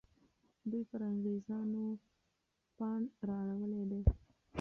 دوی پر انګریزانو پاڼ را اړولی دی.